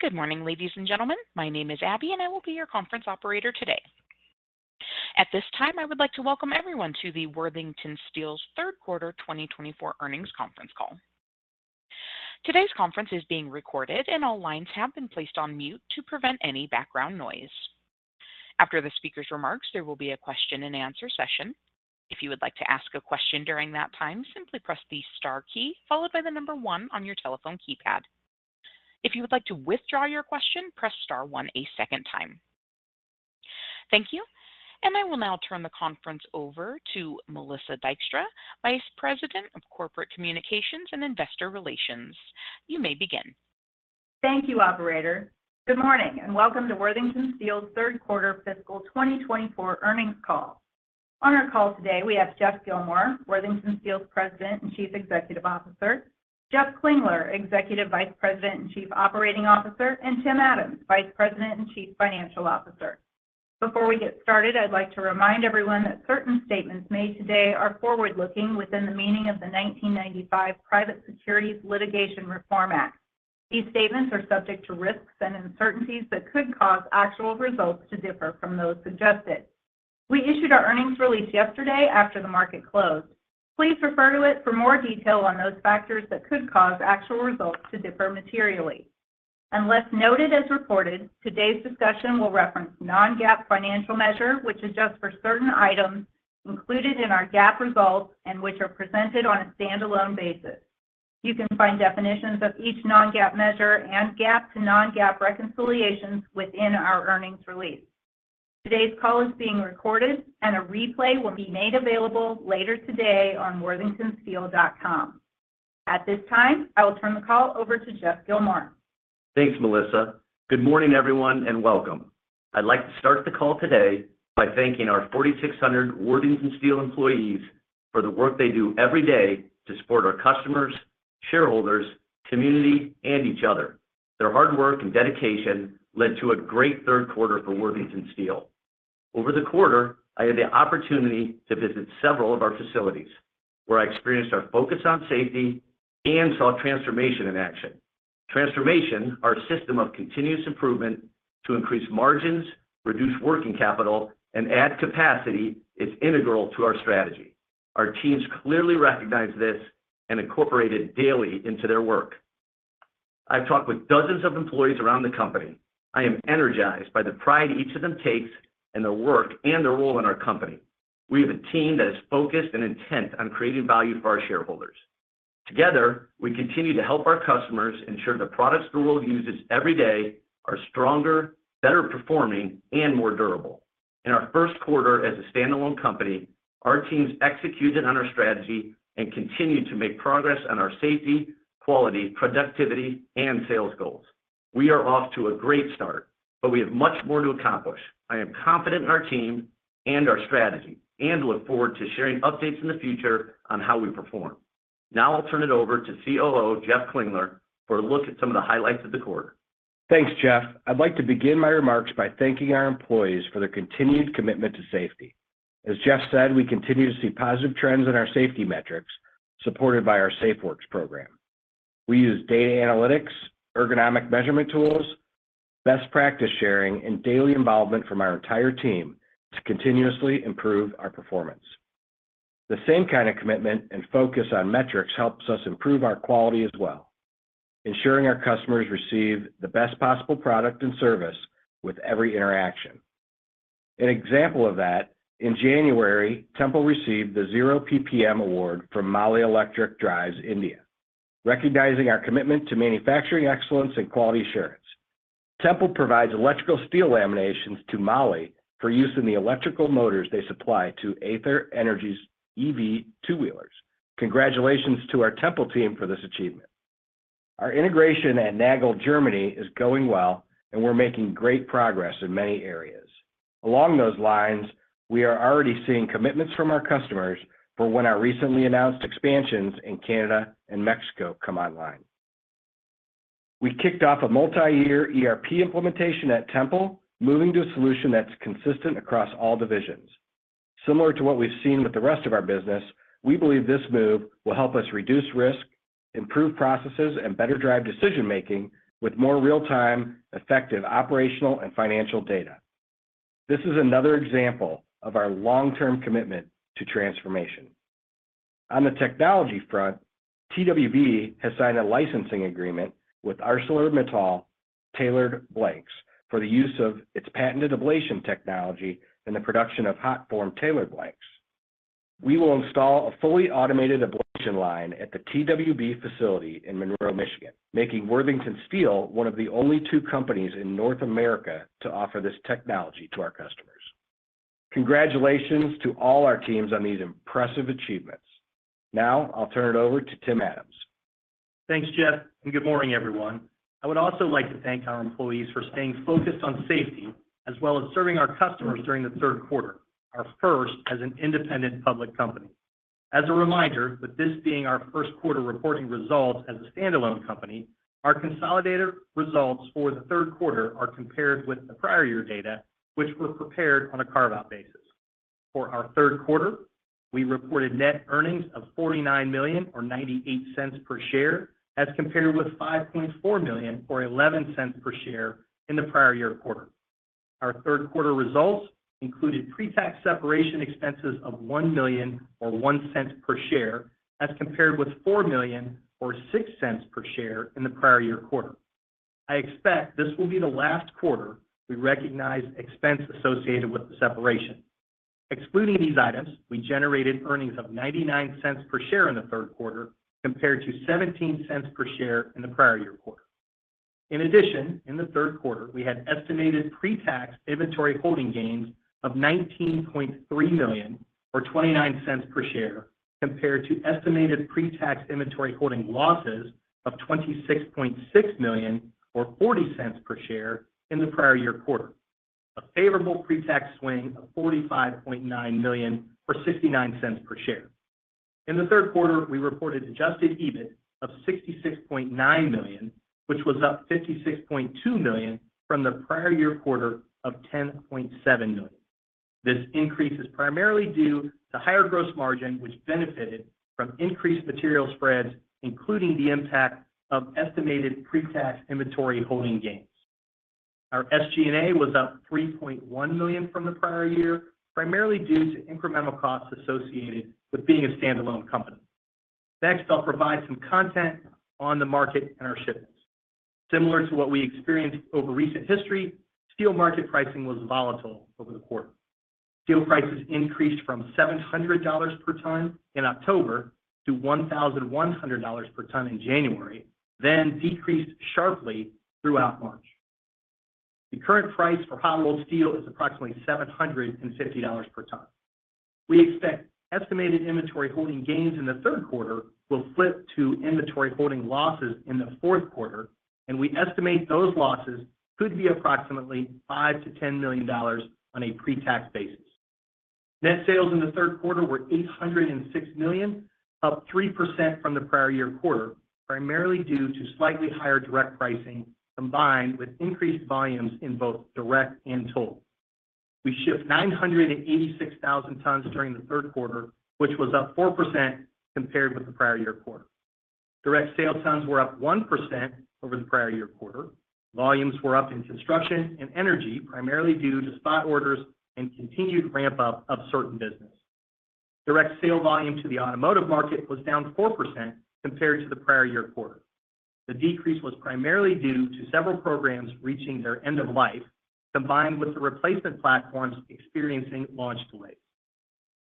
Good morning, ladies and gentlemen. My name is Abby, and I will be your conference operator today. At this time, I would like to welcome everyone to the Worthington Steel's third-quarter 2024 earnings conference call. Today's conference is being recorded, and all lines have been placed on mute to prevent any background noise. After the speaker's remarks, there will be a question-and-answer session. If you would like to ask a question during that time, simply press the star key followed by the number one on your telephone keypad. If you would like to withdraw your question, press star one a second time. Thank you. And I will now turn the conference over to Melissa Dykstra, Vice President of Corporate Communications and Investor Relations. You may begin. Thank you, operator. Good morning and welcome to Worthington Steel's third-quarter fiscal 2024 earnings call. On our call today, we have Geoff Gilmore, Worthington Steel's President and Chief Executive Officer, Jeff Klingler, Executive Vice President a nd Chief Operating Officer, and Tim Adams, Vice President and Chief Financial Officer. Before we get started, I'd like to remind everyone that certain statements made today are forward-looking within the meaning of the 1995 Private Securities Litigation Reform Act. These statements are subject to risks and uncertainties that could cause actual results to differ from those suggested. We issued our earnings release yesterday after the market closed. Please refer to it for more detail on those factors that could cause actual results to differ materially. Unless noted as reported, today's discussion will reference non-GAAP financial measure, which is just for certain items included in our GAAP results and which are presented on a standalone basis. You can find definitions of each non-GAAP measure and GAAP to non-GAAP reconciliations within our earnings release. Today's call is being recorded, and a replay will be made available later today on worthingtonsteel.com. At this time, I will turn the call over to Geoff Gilmore. Thanks, Melissa. Good morning, everyone, and welcome. I'd like to start the call today by thanking our 4,600 Worthington Steel employees for the work they do every day to support our customers, shareholders, community, and each other. Their hard work and dedication led to a great third quarter for Worthington Steel. Over the quarter, I had the opportunity to visit several of our facilities, where I experienced our focus on safety and saw Transformation in action. Transformation, our system of continuous improvement, to increase margins, reduce working capital, and add capacity is integral to our strategy. Our teams clearly recognize this and incorporate it daily into their work. I've talked with dozens of employees around the company. I am energized by the pride each of them takes in their work and their role in our company. We have a team that is focused and intent on creating value for our shareholders. Together, we continue to help our customers ensure the products the world uses every day are stronger, better performing, and more durable. In our first quarter as a standalone company, our teams executed on our strategy and continue to make progress on our safety, quality, productivity, and sales goals. We are off to a great start, but we have much more to accomplish. I am confident in our team and our strategy and look forward to sharing updates in the future on how we perform. Now I'll turn it over to COO Jeff Klingler for a look at some of the highlights of the quarter. Thanks, Geoff. I'd like to begin my remarks by thanking our employees for their continued commitment to safety. As Jeff said, we continue to see positive trends in our safety metrics supported by our SafeWorks program. We use data analytics, ergonomic measurement tools, best practice sharing, and daily involvement from our entire team to continuously improve our performance. The same kind of commitment and focus on metrics helps us improve our quality as well, ensuring our customers receive the best possible product and service with every interaction. An example of that: in January, Tempel received the Zero PPM award from MAHLE Electric Drives India, recognizing our commitment to manufacturing excellence and quality assurance. Tempel provides electrical steel laminations to MAHLE for use in the electrical motors they supply to Ather Energy's EV two-wheelers. Congratulations to our Tempel team for this achievement. Our integration at Nagold, Germany, is going well, and we're making great progress in many areas. Along those lines, we are already seeing commitments from our customers for when our recently announced expansions in Canada and Mexico come online. We kicked off a multi-year ERP implementation at Tempel, moving to a solution that's consistent across all divisions. Similar to what we've seen with the rest of our business, we believe this move will help us reduce risk, improve processes, and better drive decision-making with more real-time, effective operational and financial data. This is another example of our long-term commitment to transformation. On the technology front, TWB has signed a licensing agreement with ArcelorMittal Tailored Blanks for the use of its patented ablation technology in the production of hot-form tailored blanks. We will install a fully automated ablation line at the TWB facility in Monroe, Michigan, making Worthington Steel one of the only two companies in North America to offer this technology to our customers. Congratulations to all our teams on these impressive achievements. Now I'll turn it over to Tim Adams. Thanks, Jeff, and good morning, everyone. I would also like to thank our employees for staying focused on safety as well as serving our customers during the third quarter, our first as an independent public company. As a reminder, with this being our first quarter reporting results as a standalone company, our consolidated results for the third quarter are compared with the prior year data, which were prepared on a carve-out basis. For our third quarter, we reported net earnings of $49 million or $0.98 per share as compared with $5.4 million or $0.11 per share in the prior year quarter. Our third quarter results included pre-tax separation expenses of $1 million or $0.01 per share as compared with $4 million or $0.06 per share in the prior year quarter. I expect this will be the last quarter we recognize expense associated with the separation. Excluding these items, we generated earnings of $0.99 per share in the third quarter compared to $0.17 per share in the prior year quarter. In addition, in the third quarter, we had estimated pre-tax inventory holding gains of $19.3 million or $0.29 per share compared to estimated pre-tax inventory holding losses of $26.6 million or $0.40 per share in the prior year quarter, a favorable pre-tax swing of $45.9 million or $0.69 per share. In the third quarter, we reported adjusted EBIT of $66.9 million, which was up $56.2 million from the prior year quarter of $10.7 million. This increase is primarily due to higher gross margin, which benefited from increased material spreads, including the impact of estimated pre-tax inventory holding gains. Our SG&A was up $3.1 million from the prior year, primarily due to incremental costs associated with being a standalone company. Next, I'll provide some content on the market and our shipments. Similar to what we experienced over recent history, steel market pricing was volatile over the quarter. Steel prices increased from $700 per ton in October to $1,100 per ton in January, then decreased sharply throughout March. The current price for hot-rolled steel is approximately $750 per ton. We expect estimated inventory holding gains in the third quarter will flip to inventory holding losses in the fourth quarter, and we estimate those losses could be approximately $5 million-$10 million on a pre-tax basis. Net sales in the third quarter were $806 million, up 3% from the prior year quarter, primarily due to slightly higher direct pricing combined with increased volumes in both direct and toll. We shipped 986,000 tons during the third quarter, which was up 4% compared with the prior year quarter. Direct sale tons were up 1% over the prior year quarter. Volumes were up in construction and energy, primarily due to spot orders and continued ramp-up of certain business. Direct sale volume to the automotive market was down 4% compared to the prior year quarter. The decrease was primarily due to several programs reaching their end of life, combined with the replacement platforms experiencing launch delays.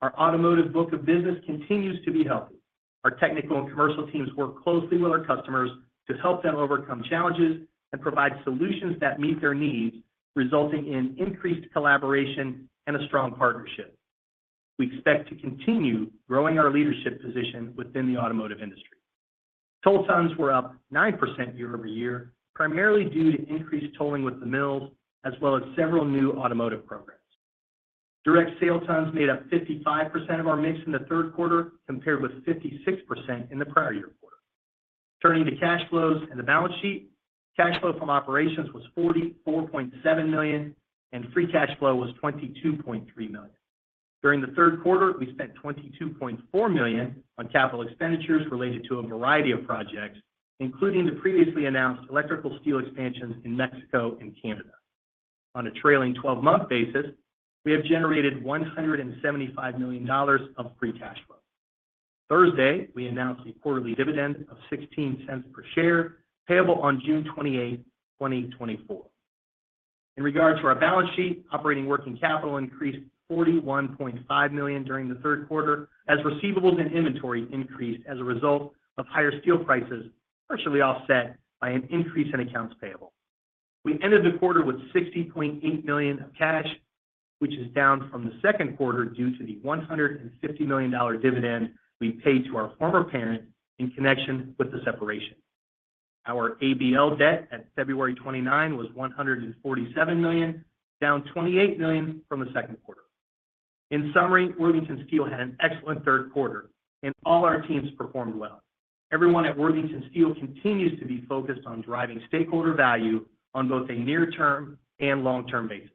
Our automotive book of business continues to be healthy. Our technical and commercial teams work closely with our customers to help them overcome challenges and provide solutions that meet their needs, resulting in increased collaboration and a strong partnership. We expect to continue growing our leadership position within the automotive industry. Toll tons were up 9% year-over-year, primarily due to increased tolling with the mills as well as several new automotive programs. Direct sale tons made up 55% of our mix in the third quarter compared with 56% in the prior year quarter. Turning to cash flows and the balance sheet, cash flow from operations was $44.7 million and free cash flow was $22.3 million. During the third quarter, we spent $22.4 million on capital expenditures related to a variety of projects, including the previously announced electrical steel expansions in Mexico and Canada. On a trailing 12-month basis, we have generated $175 million of free cash flow. Thursday, we announced a quarterly dividend of $0.16 per share payable on June 28th, 2024. In regard to our balance sheet, operating working capital increased $41.5 million during the third quarter as receivables and inventory increased as a result of higher steel prices, partially offset by an increase in accounts payable. We ended the quarter with $60.8 million of cash, which is down from the second quarter due to the $150 million dividend we paid to our former parent in connection with the separation. Our ABL debt at February 29 was $147 million, down $28 million from the second quarter. In summary, Worthington Steel had an excellent third quarter, and all our teams performed well. Everyone at Worthington Steel continues to be focused on driving stakeholder value on both a near-term and long-term basis.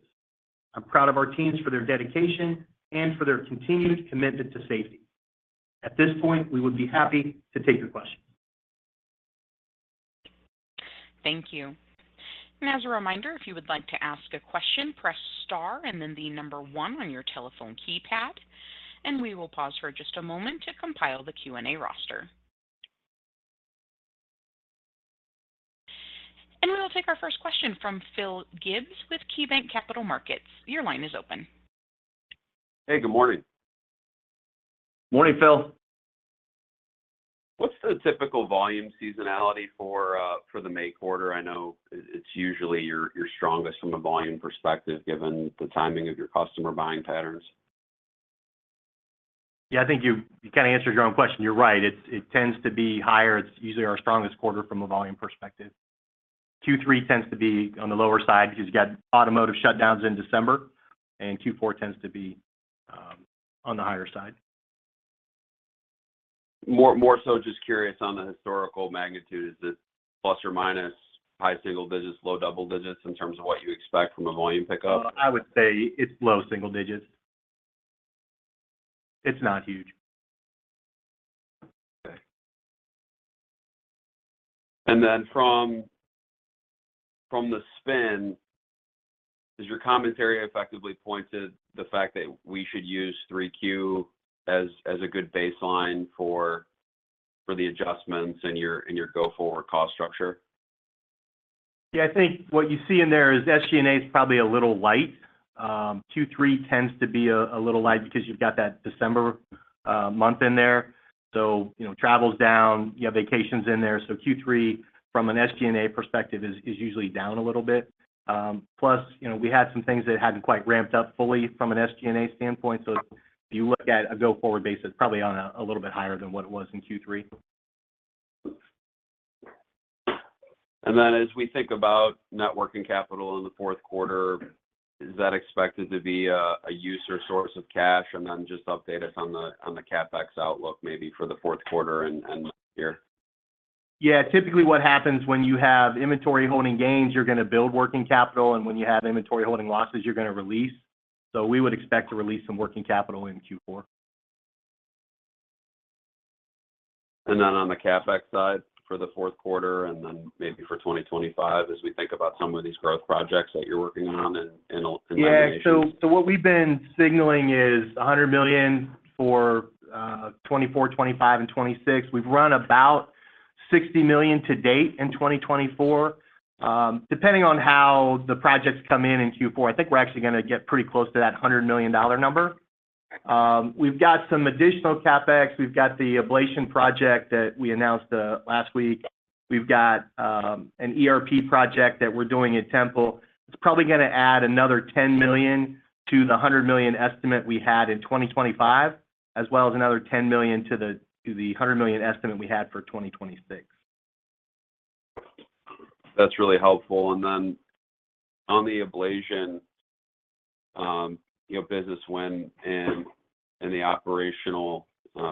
I'm proud of our teams for their dedication and for their continued commitment to safety. At this point, we would be happy to take your questions. Thank you. As a reminder, if you would like to ask a question, press star and then the number one on your telephone keypad, and we will pause for just a moment to compile the Q&A roster. We will take our first question from Phil Gibbs with KeyBanc Capital Markets. Your line is open. Hey, good morning. Morning, Phil. What's the typical volume seasonality for the May quarter? I know it's usually your strongest from a volume perspective given the timing of your customer buying patterns. Yeah, I think you kind of answered your own question. You're right. It tends to be higher. It's usually our strongest quarter from a volume perspective. Q3 tends to be on the lower side because you got automotive shutdowns in December, and Q4 tends to be on the higher side. More so, just curious on the historical magnitude, is it plus or minus high single digits, low double digits in terms of what you expect from a volume pickup? I would say it's low single digits. It's not huge. Okay. And then from the spin, does your commentary effectively point to the fact that we should use 3Q as a good baseline for the adjustments and your go-forward cost structure? Yeah, I think what you see in there is SG&A is probably a little light. Q3 tends to be a little light because you've got that December month in there. So travels down, you have vacations in there. So Q3, from an SG&A perspective, is usually down a little bit. Plus, we had some things that hadn't quite ramped up fully from an SG&A standpoint. So if you look at a go-forward basis, probably on a little bit higher than what it was in Q3. Then as we think about net working capital in the fourth quarter, is that expected to be a use or source of cash? Then just update us on the CapEx outlook maybe for the fourth quarter and year. Yeah, typically what happens when you have inventory holding gains, you're going to build working capital, and when you have inventory holding losses, you're going to release. So we would expect to release some working capital in Q4. And then on the CapEx side for the fourth quarter and then maybe for 2025 as we think about some of these growth projects that you're working on in laminations? Yeah, so what we've been signaling is $100 million for 2024, 2025, and 2026. We've run about $60 million to date in 2024. Depending on how the projects come in in Q4, I think we're actually going to get pretty close to that $100 million number. We've got some additional CapEx. We've got the ablation project that we announced last week. We've got an ERP project that we're doing at Tempel. It's probably going to add another $10 million to the $100 million estimate we had in 2025, as well as another $10 million to the $100 million estimate we had for 2026. That's really helpful. And then on the ablation business win and the operational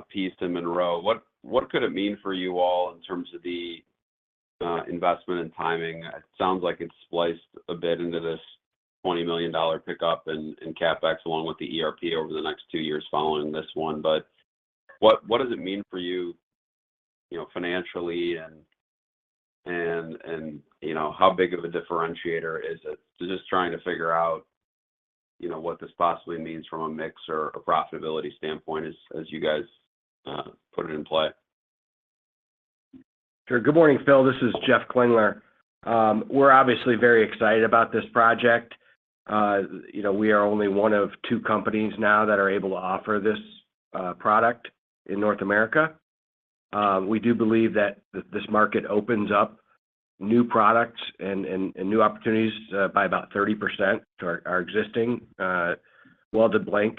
piece in Monroe, what could it mean for you all in terms of the investment and timing? It sounds like it's spliced a bit into this $20 million pickup and CapEx along with the ERP over the next two years following this one. But what does it mean for you financially, and how big of a differentiator is it? Just trying to figure out what this possibly means from a mix or a profitability standpoint as you guys put it in play. Sure. Good morning, Phil. This is Jeff Klingler. We're obviously very excited about this project. We are only one of two companies now that are able to offer this product in North America. We do believe that this market opens up new products and new opportunities by about 30% to our existing welded blank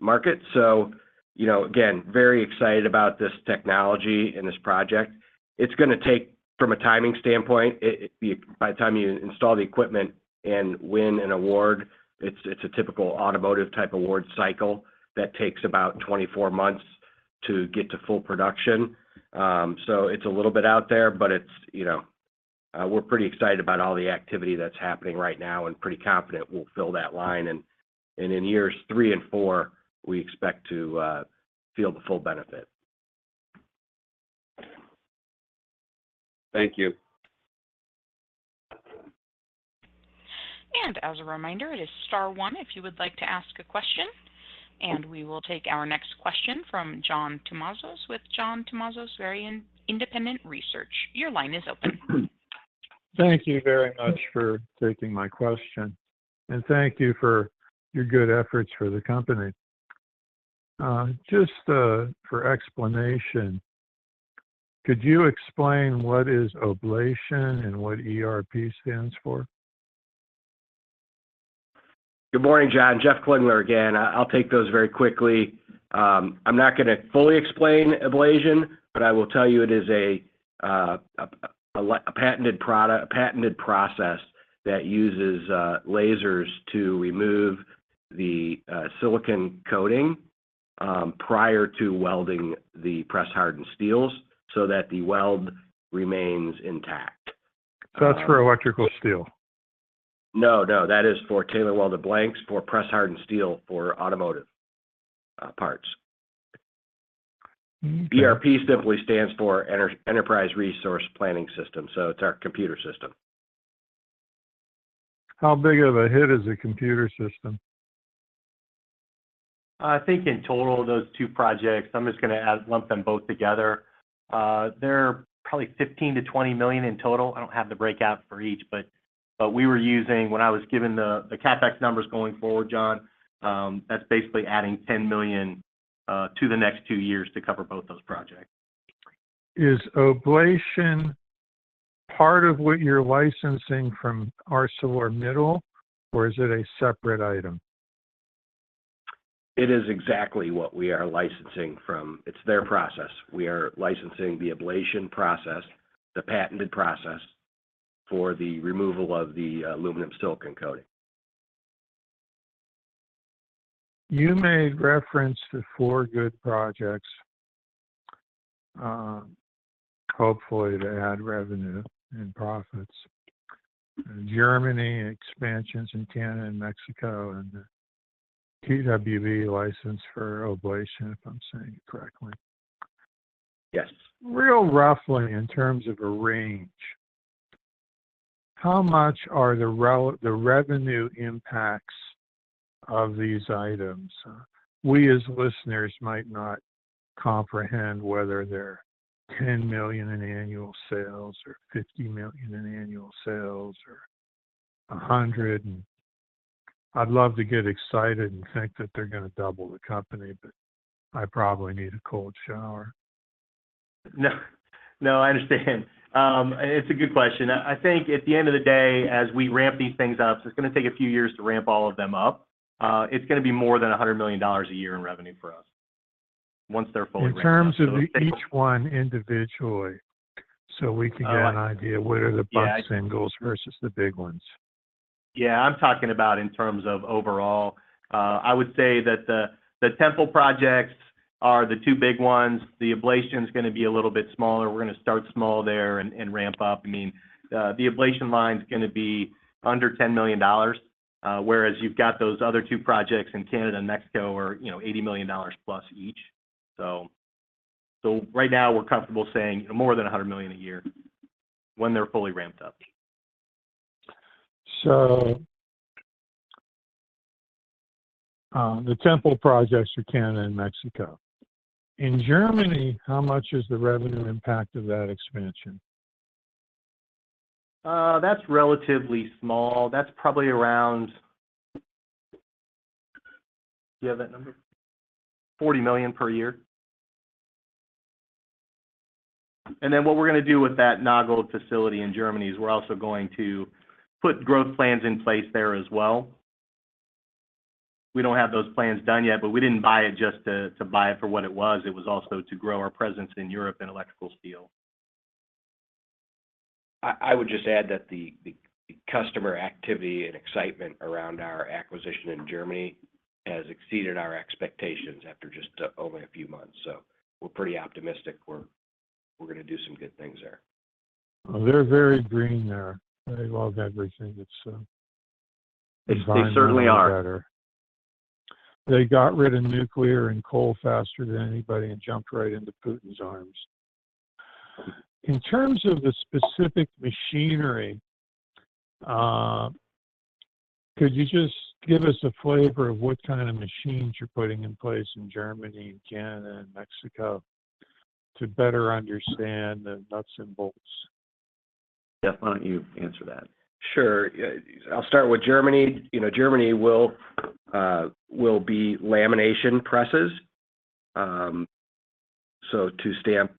market. So again, very excited about this technology and this project. It's going to take, from a timing standpoint, by the time you install the equipment and win an award, it's a typical automotive-type award cycle that takes about 24 months to get to full production. So it's a little bit out there, but we're pretty excited about all the activity that's happening right now and pretty confident we'll fill that line. And in years three and four, we expect to feel the full benefit. Thank you. As a reminder, it is star one if you would like to ask a question. We will take our next question from John Tumazos with John Tumazos Very Independent Research. Your line is open. Thank you very much for taking my question. Thank you for your good efforts for the company. Just for explanation, could you explain what is ablation and what ERP stands for? Good morning, John. Jeff Klingler again. I'll take those very quickly. I'm not going to fully explain ablation, but I will tell you it is a patented process that uses lasers to remove the silicon coating prior to welding the press-hardened steels so that the weld remains intact. That's for electrical steel? No, no. That is for Tailor Welded Blanks, for press-hardened steel for automotive parts. ERP simply stands for Enterprise Resource Planning System. So it's our computer system. How big of a hit is a computer system? I think in total, those two projects, I'm just going to lump them both together. They're probably $15 million-$20 million in total. I don't have the breakout for each, but we were using, when I was given the CapEx numbers going forward, John, that's basically adding $10 million to the next two years to cover both those projects. Is ablation part of what you're licensing from ArcelorMittal, or is it a separate item? It is exactly what we are licensing from. It's their process. We are licensing the ablation process, the patented process, for the removal of the aluminum-silicon coating. You made reference to four good projects, hopefully to add revenue and profits: expansions in Germany, Canada, and Mexico, and the TWB license for ablation, if I'm saying it correctly. Yes. Really roughly, in terms of a range, how much are the revenue impacts of these items? We, as listeners, might not comprehend whether they're $10 million in annual sales or $50 million in annual sales or $100 million. I'd love to get excited and think that they're going to double the company, but I probably need a cold shower. No, I understand. It's a good question. I think at the end of the day, as we ramp these things up, it's going to take a few years to ramp all of them up. It's going to be more than $100 million a year in revenue for us once they're fully ramped up. In terms of each one individually, so we can get an idea what are the bucks and goals versus the big ones. Yeah, I'm talking about in terms of overall. I would say that the Tempel projects are the two big ones. The ablation's going to be a little bit smaller. We're going to start small there and ramp up. I mean, the ablation line's going to be under $10 million, whereas you've got those other two projects in Canada and Mexico where it's $80 million plus each. So right now, we're comfortable saying more than $100 million a year when they're fully ramped up. So the Temple projects are Canada and Mexico. In Germany, how much is the revenue impact of that expansion? That's relatively small. That's probably around. Do you have that number? $40 million per year. And then what we're going to do with that Nagold facility in Germany is we're also going to put growth plans in place there as well. We don't have those plans done yet, but we didn't buy it just to buy it for what it was. It was also to grow our presence in Europe in electrical steel. I would just add that the customer activity and excitement around our acquisition in Germany has exceeded our expectations after just only a few months. So we're pretty optimistic we're going to do some good things there. They're very green there. They love everything. It's vibrant and better. They certainly are. They got rid of nuclear and coal faster than anybody and jumped right into Putin's arms. In terms of the specific machinery, could you just give us a flavor of what kind of machines you're putting in place in Germany, Canada, and Mexico to better understand the nuts and bolts? Geoff, why don't you answer that? Sure. I'll start with Germany. Germany will be lamination presses, so to stamp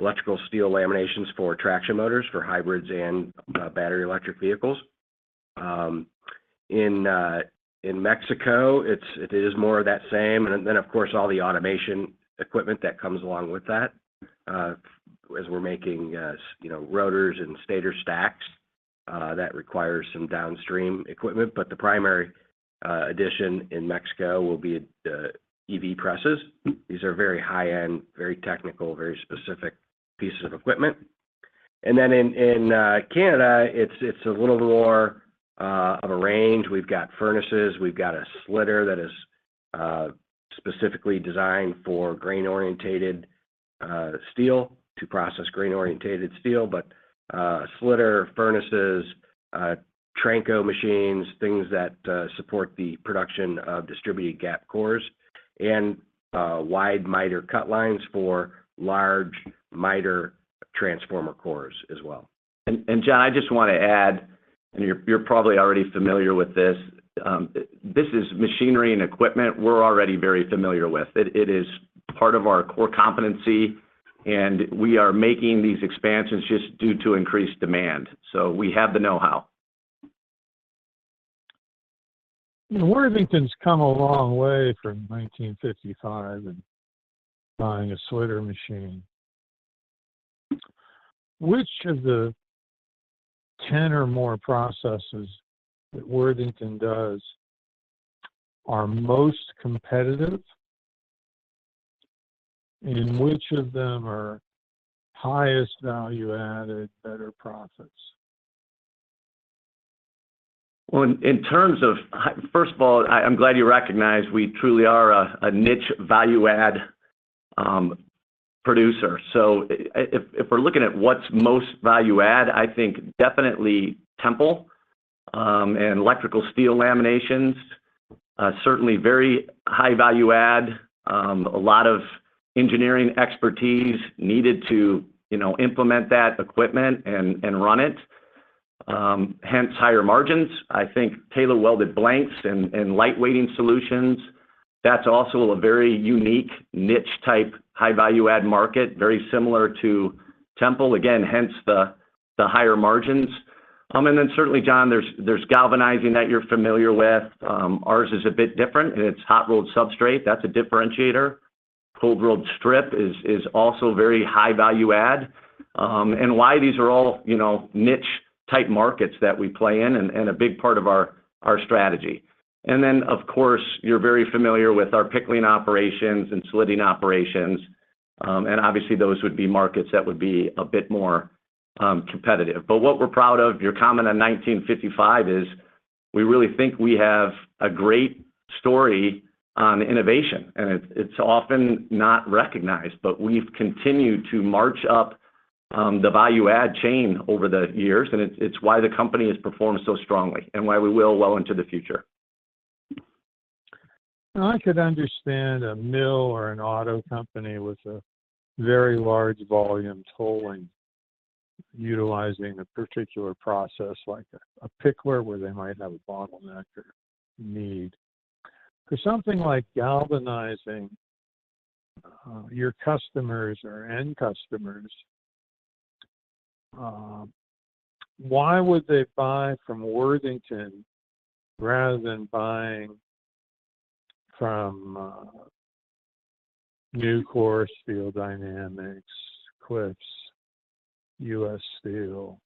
electrical steel laminations for traction motors for hybrids and battery electric vehicles. In Mexico, it is more of that same. And then, of course, all the automation equipment that comes along with that, as we're making rotors and stator stacks, that requires some downstream equipment. But the primary addition in Mexico will be EV presses. These are very high-end, very technical, very specific pieces of equipment. And then in Canada, it's a little more of a range. We've got furnaces. We've got a slitter that is specifically designed for grain-oriented steel to process grain-oriented steel, but slitter, furnaces, Tranco machines, things that support the production of distributed gap cores, and wide miter cut lines for large miter transformer cores as well. John, I just want to add, and you're probably already familiar with this, this is machinery and equipment we're already very familiar with. It is part of our core competency, and we are making these expansions just due to increased demand. We have the know-how. Worthington's come a long way from 1955 and buying a slitter machine. Which of the 10 or more processes that Worthington does are most competitive, and which of them are highest value-added, better profits? Well, in terms of, first of all, I'm glad you recognize we truly are a niche value-add producer. So if we're looking at what's most value-add, I think definitely Tempel and electrical steel laminations, certainly very high value-add, a lot of engineering expertise needed to implement that equipment and run it, hence higher margins. I think Tailor Welded Blanks and lightweighting solutions, that's also a very unique niche-type high-value-add market, very similar to Tempel, again, hence the higher margins. And then certainly, John, there's galvanizing that you're familiar with. Ours is a bit different, and it's hot-rolled substrate. That's a differentiator. Cold-rolled strip is also very high value-add. And why these are all niche-type markets that we play in and a big part of our strategy. And then, of course, you're very familiar with our pickling operations and slitting operations. Obviously, those would be markets that would be a bit more competitive. But what we're proud of, your comment on 1955, is we really think we have a great story on innovation. It's often not recognized, but we've continued to march up the value-add chain over the years, and it's why the company has performed so strongly and why we will well into the future. I could understand a mill or an auto company with a very large volume tolling utilizing a particular process like a pickler where they might have a bottleneck or need. For something like galvanizing your customers or end customers, why would they buy from Worthington rather than buying from Nucor, Steel Dynamics, Cliffs, US Steel,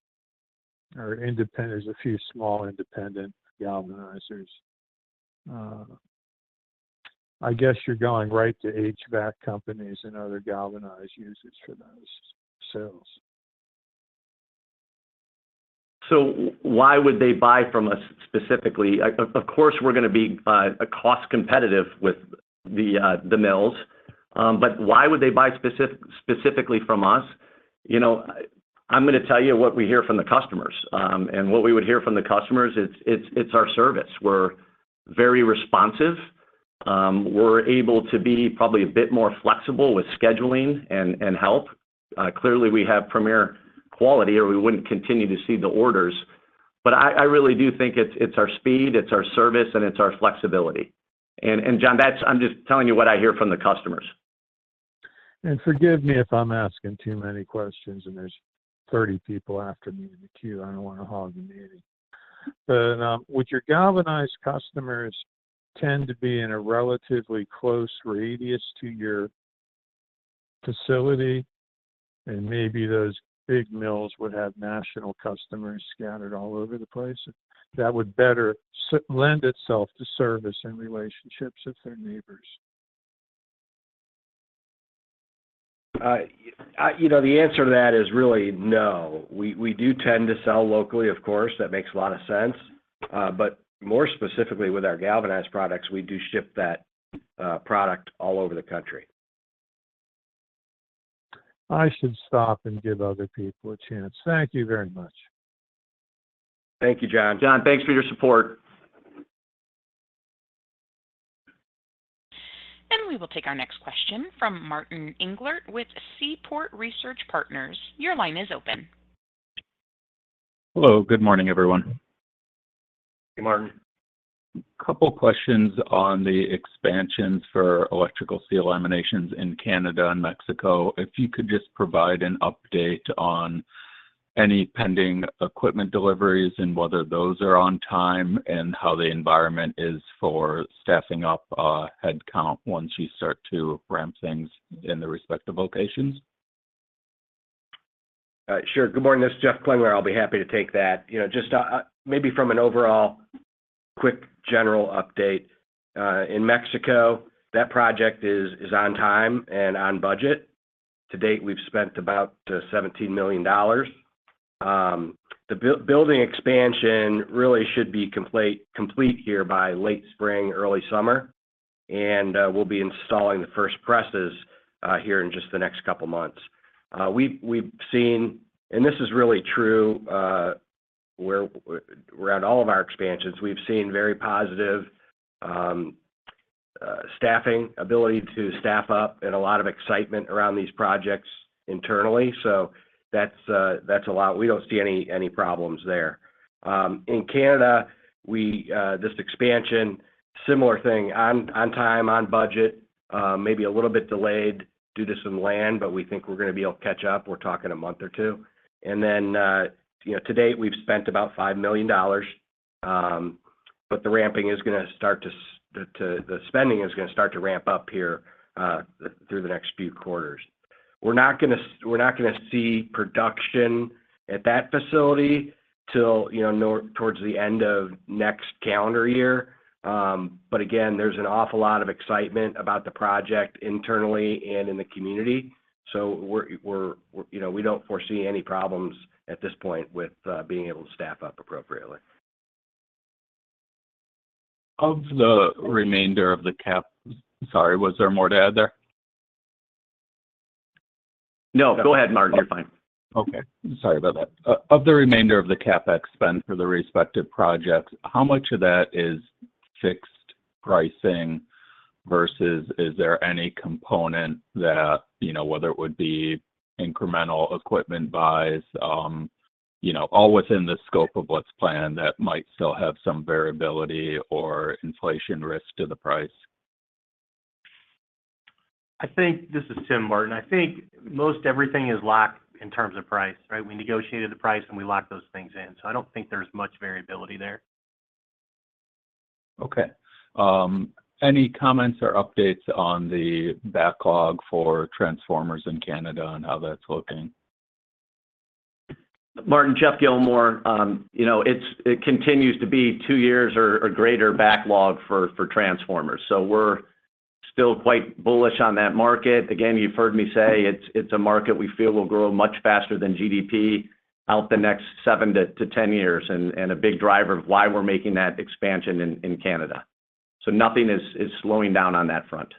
or a few small independent galvanizers? I guess you're going right to HVAC companies and other galvanized users for those sales. So why would they buy from us specifically? Of course, we're going to be cost-competitive with the mills, but why would they buy specifically from us? I'm going to tell you what we hear from the customers. And what we would hear from the customers, it's our service. We're very responsive. We're able to be probably a bit more flexible with scheduling and help. Clearly, we have premier quality, or we wouldn't continue to see the orders. But I really do think it's our speed, it's our service, and it's our flexibility. And John, I'm just telling you what I hear from the customers. Forgive me if I'm asking too many questions, and there's 30 people after me in the queue. I don't want to hog the meeting. But would your galvanized customers tend to be in a relatively close radius to your facility, and maybe those big mills would have national customers scattered all over the place? That would better lend itself to service and relationships with their neighbors. The answer to that is really no. We do tend to sell locally, of course. That makes a lot of sense. But more specifically with our galvanized products, we do ship that product all over the country. I should stop and give other people a chance. Thank you very much. Thank you, John. John, thanks for your support. We will take our next question from Martin Englert with Seaport Research Partners. Your line is open. Hello. Good morning, everyone. Hey, Martin. A couple of questions on the expansions for electrical steel laminations in Canada and Mexico. If you could just provide an update on any pending equipment deliveries and whether those are on time and how the environment is for staffing up headcount once you start to ramp things in the respective locations? Sure. Good morning. This is Jeff Klingler. I'll be happy to take that. Just maybe from an overall quick general update, in Mexico, that project is on time and on budget. To date, we've spent about $17 million. The building expansion really should be complete here by late spring, early summer, and we'll be installing the first presses here in just the next couple of months. We've seen, and this is really true around all of our expansions, we've seen very positive staffing, ability to staff up, and a lot of excitement around these projects internally. So that's a lot. We don't see any problems there. In Canada, this expansion, similar thing, on time, on budget, maybe a little bit delayed due to some land, but we think we're going to be able to catch up. We're talking a month or two. To date, we've spent about $5 million, but the spending is going to start to ramp up here through the next few quarters. We're not going to see production at that facility till towards the end of next calendar year. But again, there's an awful lot of excitement about the project internally and in the community. We don't foresee any problems at this point with being able to staff up appropriately. Of the remainder of the cap, sorry, was there more to add there? No, go ahead, Martin. You're fine. Okay. Sorry about that. Of the remainder of the CapEx spend for the respective projects, how much of that is fixed pricing versus is there any component that, whether it would be incremental equipment buys, all within the scope of what's planned, that might still have some variability or inflation risk to the price? I think this is Tim, Martin. I think most everything is locked in terms of price, right? We negotiated the price, and we locked those things in. So I don't think there's much variability there. Okay. Any comments or updates on the backlog for transformers in Canada and how that's looking? Martin, Geoff Gilmore, it continues to be 2 years or greater backlog for transformers. So we're still quite bullish on that market. Again, you've heard me say it's a market we feel will grow much faster than GDP out the next 7-10 years and a big driver of why we're making that expansion in Canada. So nothing is slowing down on that front.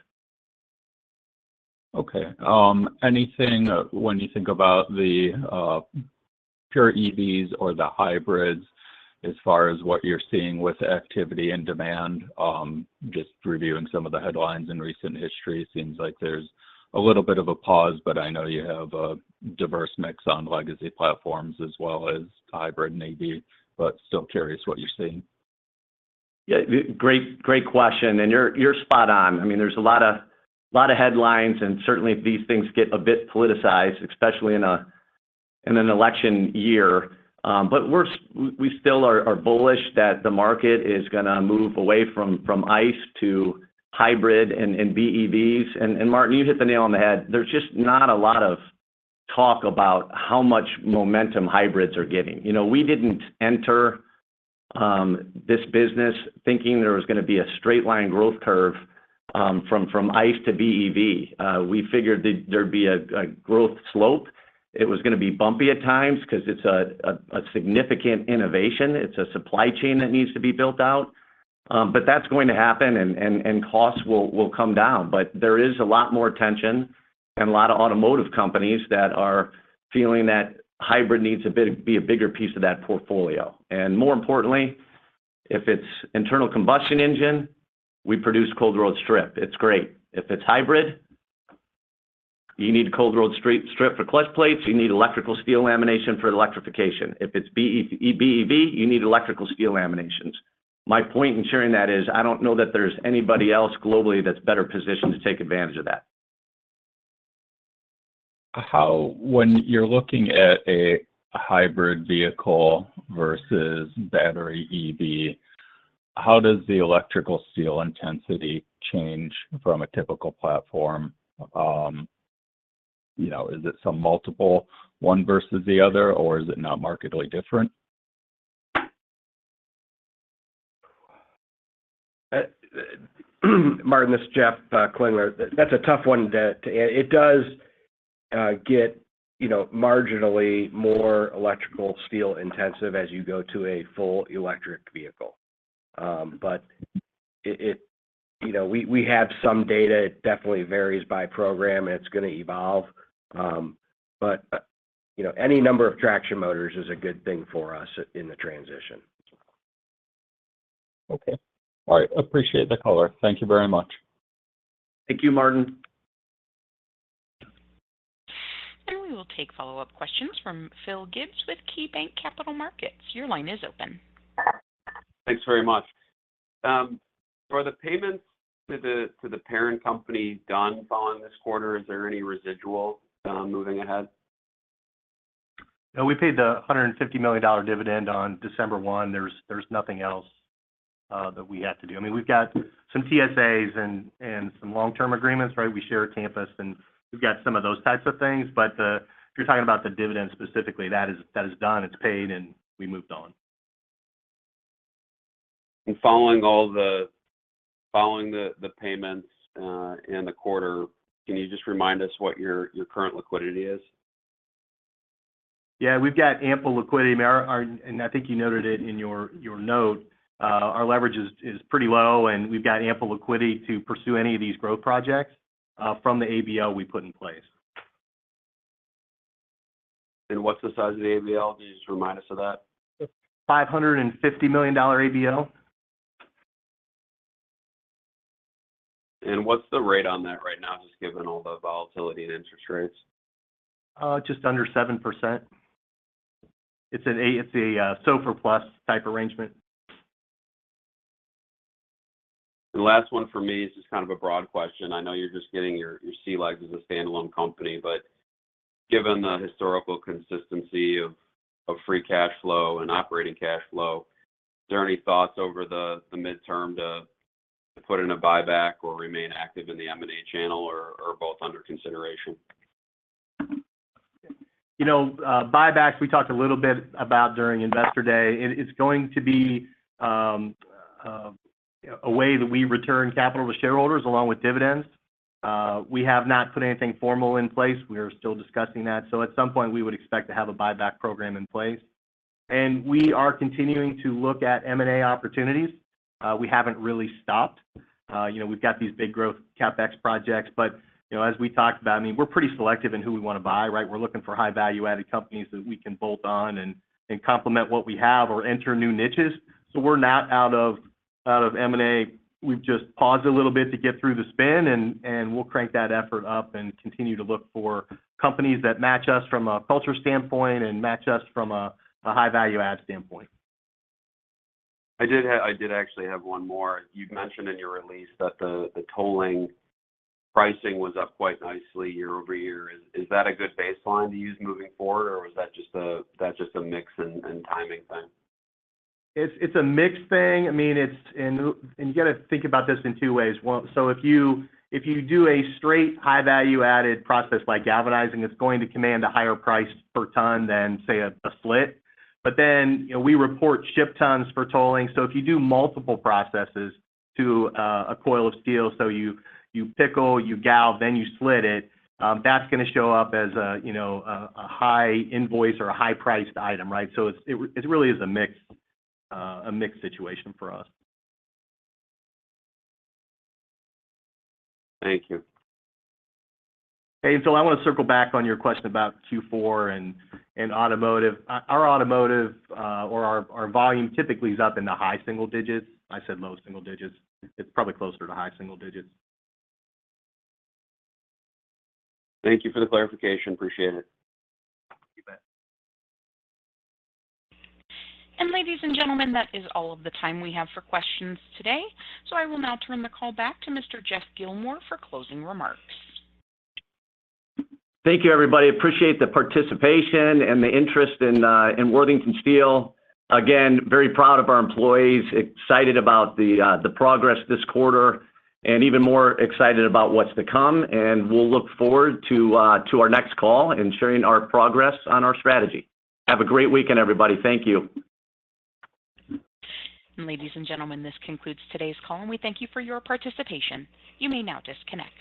Okay. Anything when you think about the pure EVs or the hybrids as far as what you're seeing with activity and demand? Just reviewing some of the headlines in recent history, it seems like there's a little bit of a pause, but I know you have a diverse mix on legacy platforms as well as hybrid and EV, but still curious what you're seeing. Yeah, great question. And you're spot on. I mean, there's a lot of headlines, and certainly, if these things get a bit politicized, especially in an election year. But we still are bullish that the market is going to move away from ICE to hybrid and BEVs. And Martin, you hit the nail on the head. There's just not a lot of talk about how much momentum hybrids are getting. We didn't enter this business thinking there was going to be a straight-line growth curve from ICE to BEV. We figured there'd be a growth slope. It was going to be bumpy at times because it's a significant innovation. It's a supply chain that needs to be built out. But that's going to happen, and costs will come down. But there is a lot more tension and a lot of automotive companies that are feeling that hybrid needs to be a bigger piece of that portfolio. And more importantly, if it's internal combustion engine, we produce cold-rolled strip. It's great. If it's hybrid, you need cold-rolled strip for clutch plates. You need electrical steel lamination for electrification. If it's BEV, you need electrical steel laminations. My point in sharing that is I don't know that there's anybody else globally that's better positioned to take advantage of that. When you're looking at a hybrid vehicle versus battery EV, how does the electrical steel intensity change from a typical platform? Is it some multiple one versus the other, or is it not markedly different? Martin, this is Jeff Klingler. That's a tough one to add. It does get marginally more electrical steel intensive as you go to a full electric vehicle. But we have some data. It definitely varies by program, and it's going to evolve. But any number of traction motors is a good thing for us in the transition. Okay. All right. Appreciate the caller. Thank you very much. Thank you, Martin. We will take follow-up questions from Phil Gibbs with KeyBanc Capital Markets. Your line is open. Thanks very much. For the payments to the parent company done following this quarter, is there any residual moving ahead? No, we paid the $150 million dividend on December 1. There's nothing else that we had to do. I mean, we've got some TSAs and some long-term agreements, right? We share campus, and we've got some of those types of things. But if you're talking about the dividend specifically, that is done. It's paid, and we moved on. Following the payments in the quarter, can you just remind us what your current liquidity is? Yeah, we've got ample liquidity. I think you noted it in your note. Our leverage is pretty low, and we've got ample liquidity to pursue any of these growth projects from the ABL we put in place. What's the size of the ABL? Can you just remind us of that? $550 million ABL. What's the rate on that right now, just given all the volatility and interest rates? Just under 7%. It's a SOFR-plus type arrangement. Last one for me is just kind of a broad question. I know you're just getting your sea legs as a standalone company, but given the historical consistency of free cash flow and operating cash flow, is there any thoughts over the midterm to put in a buyback or remain active in the M&A channel, or are both under consideration? Buybacks, we talked a little bit about during Investor Day. It's going to be a way that we return capital to shareholders along with dividends. We have not put anything formal in place. We are still discussing that. So at some point, we would expect to have a buyback program in place. And we are continuing to look at M&A opportunities. We haven't really stopped. We've got these big growth CapEx projects. But as we talked about, I mean, we're pretty selective in who we want to buy, right? We're looking for high-value-added companies that we can bolt on and complement what we have or enter new niches. So we're not out of M&A. We've just paused a little bit to get through the spin, and we'll crank that effort up and continue to look for companies that match us from a culture standpoint and match us from a high-value-add standpoint. I did actually have one more. You'd mentioned in your release that the tolling pricing was up quite nicely year-over-year. Is that a good baseline to use moving forward, or is that just a mix and timing thing? It's a mixed thing. I mean, and you got to think about this in two ways. So if you do a straight high-value-added process like galvanizing, it's going to command a higher price per ton than, say, a slit. But then we report ship tons for tolling. So if you do multiple processes to a coil of steel, so you pickle, you galvanize, then you slit it, that's going to show up as a high invoice or a high-priced item, right? So it really is a mixed situation for us. Thank you. Hey, and so I want to circle back on your question about Q4 and automotive. Our automotive or our volume typically is up in the high single digits. I said low single digits. It's probably closer to high single digits. Thank you for the clarification. Appreciate it. You bet. Ladies and gentlemen, that is all of the time we have for questions today. I will now turn the call back to Mr. Geoff Gilmore for closing remarks. Thank you, everybody. Appreciate the participation and the interest in Worthington Steel. Again, very proud of our employees, excited about the progress this quarter, and even more excited about what's to come. We'll look forward to our next call and sharing our progress on our strategy. Have a great weekend, everybody. Thank you. Ladies and gentlemen, this concludes today's call, and we thank you for your participation. You may now disconnect.